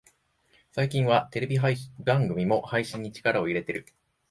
最近はテレビ番組も配信に力を入れてる